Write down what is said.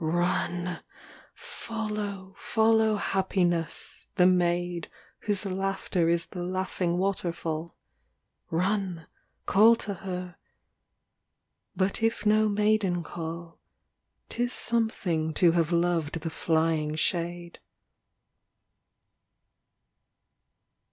LXXXV Run ! follow, follow happiness, the maid Whoso laughter is the laughing waterfall ; Run ! call to her ŌĆö but if no maiden call, ŌĆÖTis something to have loved the flying shade.